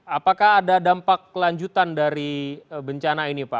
apakah ada dampak lanjutan dari bencana ini pak